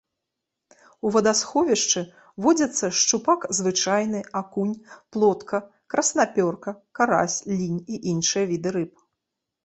У вадасховішчы водзяцца шчупак звычайны, акунь, плотка, краснапёрка, карась, лінь і іншыя віды рыб.